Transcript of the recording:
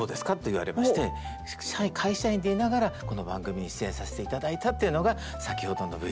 言われまして会社員でいながらこの番組に出演させて頂いたっていうのが先ほどのＶＴＲ。